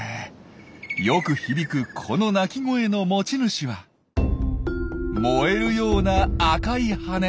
よく響くこの鳴き声の持ち主は燃えるような赤い羽。